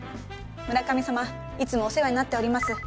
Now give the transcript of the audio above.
村上様いつもお世話になっております。